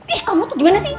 ih kamu tuh gimana sih